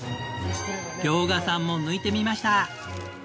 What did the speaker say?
遼河さんも抜いてみました！